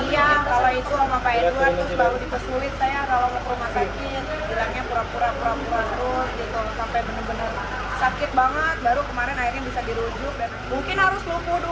ya kalau itu lupa itu harus baru dipersulit saya kalau mau ke rumah sakit bilangnya pura pura